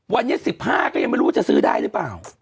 วันนี้๑๕ก็ยังไม่รู้ว่าจะซื้อได้หรือเปล่า